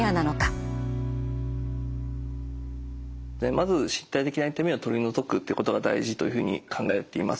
まず身体的な痛みを取り除くということが大事というふうに考えています。